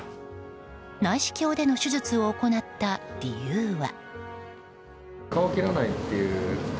内視鏡での手術を行った理由は。